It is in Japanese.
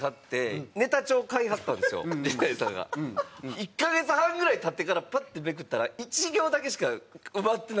１カ月半ぐらい経ってからパッてめくったら１行だけしか埋まってなくて。